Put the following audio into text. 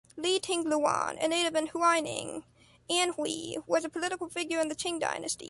Li Tingluan, a native in Huaining, Anhui, was a political figure in the Qing Dynasty.